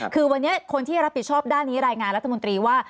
คือวันนี้คนที่รับผิดชอบด้านนี้รายงานรัฐมนตรีว่า